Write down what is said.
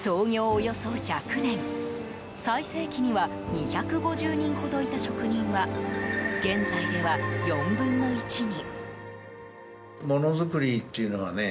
およそ１００年、最盛期には２５０人ほどいた職人は現在では、４分の１に。